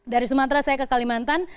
dari sumatera saya ke kalimantan